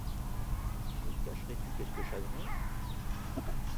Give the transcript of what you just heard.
Me cacherais-tu quelque chagrin ?